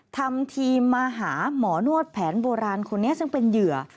ทำทีมาหาหมอนวดแผนโบราณคนนี้ซึ่งเป็นเหยื่อ